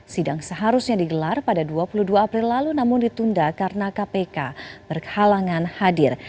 sidang seharusnya digelar pada dua puluh dua april lalu namun ditunda karena kpk berhalangan hadir